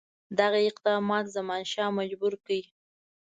دغه اقداماتو زمانشاه مجبور کړ.